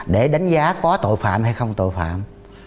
để đánh giá có tội phạm hay không tội phạm